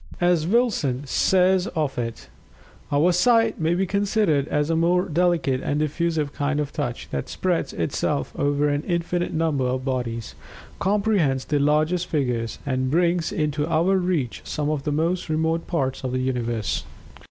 As Wilson says of it, "Our sight may be considered as a more delicate and diffusive kind of touch that spreads itself over an infinite number of bodies; comprehends the largest figures, and brings into our reach some of the most remote parts of the universe."